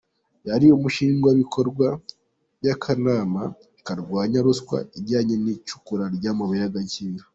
Yari umushingwabikorwa by'akanama karwanya ruswa ijyanye n'icukura ry'amabuye y'agaciro.